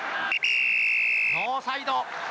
ノーサイド。